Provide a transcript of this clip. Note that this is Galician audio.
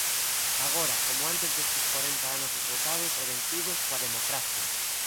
Agora, como antes deste corenta anos esgotados e vencidos, coa democracia.